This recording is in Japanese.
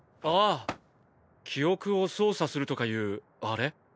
あぁ記憶を操作するとかいうあれ？